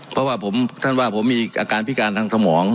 เพราะว่าท่านว่าผมมีอาการพิการทางสมอง